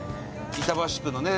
板橋区のね